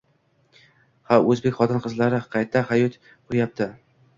Ha, o‘zbek xotin-qizlari qayta hayot quryapti.